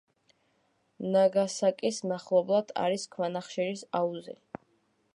ნაგასაკის მახლობლად არის ქვანახშირის აუზი.